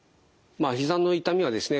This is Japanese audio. ひざの痛みはですね